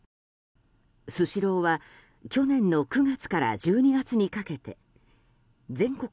スシローは去年の９月から１２月にかけて全国